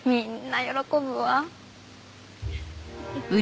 うん。